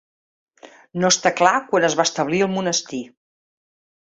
No està clar quan es va establir el monestir.